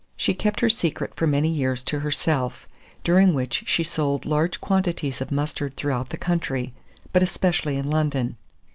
She kept her secret for many years to herself, during which she sold large quantities of mustard throughout the country, but especially in London.